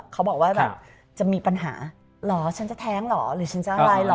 เขาบอกว่าแบบจะมีปัญหาเหรอฉันจะแท้งเหรอหรือฉันจะอะไรเหรอ